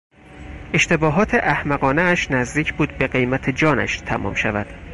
اشتباهات احمقانهاش نزدیک بود به قیمت جانش تمام شود.